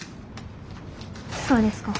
そうですか。